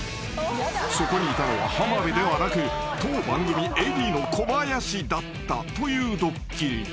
［そこにいたのは浜辺ではなく当番組ＡＤの小林だったというドッキリ］